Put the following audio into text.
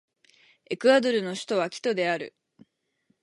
エクアドルの首都はキトである